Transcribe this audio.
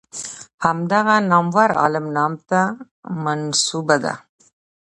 د همدغه نامور عالم نامه ته منسوبه ده.